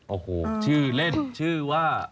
โอ้โหชื่อเล่นชื่อว่า